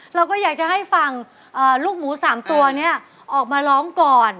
เราก็อยากจะให้ฝั่งลูกหมู๓ตัวนี้ออกมาร้องก่อน